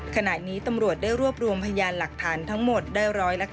ขณะนี้ตำรวจได้รวบรวมพยานหลักฐานทั้งหมดได้๑๙